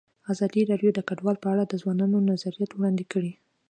ازادي راډیو د کډوال په اړه د ځوانانو نظریات وړاندې کړي.